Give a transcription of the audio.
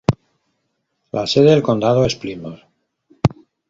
La sede del condado es Plymouth.